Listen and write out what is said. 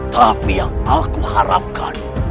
tapi yang aku harapkan